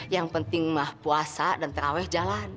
yang penting mah puasa dan terawih jalan